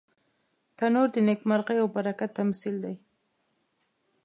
تنور د نیکمرغۍ او برکت تمثیل دی